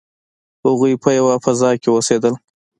هغوی په یوه فضا کې اوسیدل.